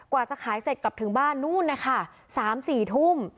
กว่าจะขายเสร็จกลับถึงบ้านนู่นนะคะ๓๔ทุ่ม